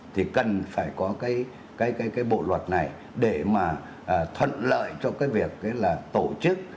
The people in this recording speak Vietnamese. thì cần phải có cái bộ luật này để mà thuận lợi cho cái việc là tổ chức